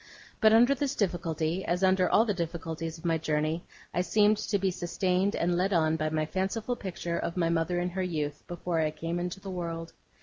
But under this difficulty, as under all the other difficulties of my journey, I seemed to be sustained and led on by my fanciful picture of my mother in her youth, before I came into the world.